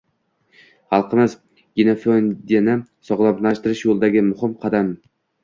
Xalqimiz genofondini sog‘lomlashtirish yo‘lidagi muhim qadamng